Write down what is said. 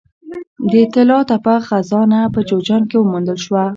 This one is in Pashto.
د طلا تپه خزانه په جوزجان کې وموندل شوه